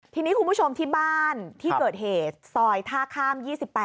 ทีนี้คุณผู้ชมที่บ้านที่เกิดเหตุซอยท่าข้าม๒๘